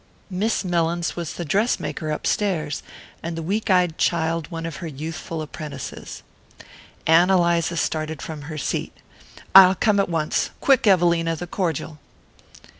Miss Mellins was the dress maker upstairs, and the weak eyed child one of her youthful apprentices. Ann Eliza started from her seat. "I'll come at once. Quick, Evelina, the cordial!"